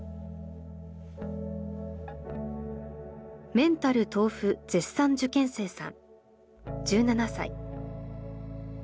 メンタル豆腐絶賛受験生さん１７歳。